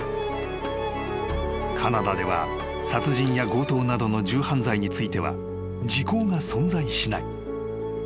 ［カナダでは殺人や強盗などの重犯罪については時効が存在しない］